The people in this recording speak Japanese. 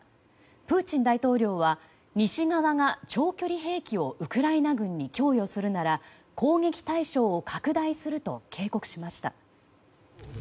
プーチン大統領は西側が長距離兵器をウクライナ軍に供与するなら攻撃対象を拡大すると警告しました。